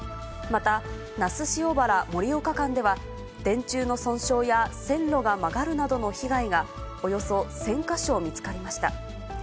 また、那須塩原・盛岡間では、電柱の損傷や線路が曲がるなどの被害がおよそ１０００か所見つかりました。